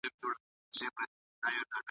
یوه ورځ یې له هوا ښار ته ورپام سو `